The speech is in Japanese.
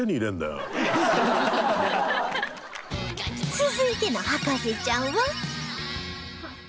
続いての博士ちゃんは